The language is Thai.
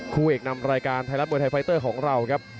คู่เอกนำรายการไทยรัฐมวยไทยไฟเตอร์ของเราครับ